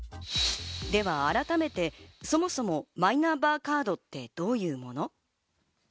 では改めて、そもそもマイナンバーカードってどういうもの？